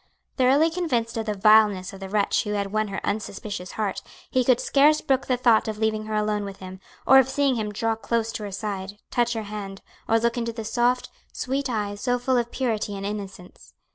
Thoroughly convinced of the vileness of the wretch who had won her unsuspicious heart, he could scarce brook the thought of leaving her alone with him, or of seeing him draw close to her side, touch her hand, or look into the soft, sweet eyes so full of purity and innocence.